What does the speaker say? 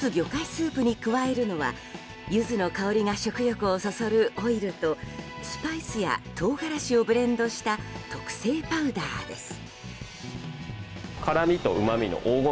スープに加えるのはユズの香りが食欲をそそるオイルとスパイスや唐辛子をブレンドした特製パウダーです。